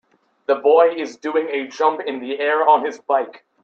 The boy is doing a jump in the air on his bike.